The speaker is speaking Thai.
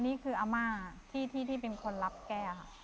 นี่คืออาม่าที่เป็นคนรับแก้ค่ะ